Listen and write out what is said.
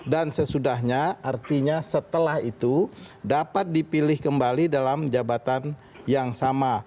dan sesudahnya artinya setelah itu dapat dipilih kembali dalam jabatan yang selanjutnya